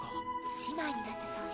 姉妹になったそうよ。